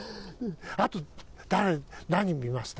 あと誰何見ました？